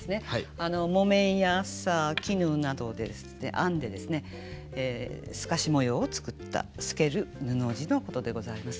木綿や麻絹などで編んで透かし模様を作った透ける布地のことでございます。